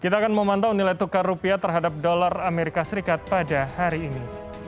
kita akan memantau nilai tukar rupiah terhadap dolar amerika serikat pada hari ini